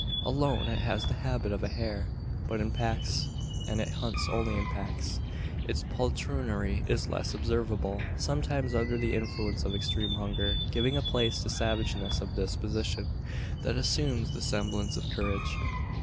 Alone it has the habit of a hare; but in packs and it hunts only in packs its poltroonery is less observable; sometimes under the influence of extreme hunger giving place to a savageness of disposition that assumes the semblance of courage.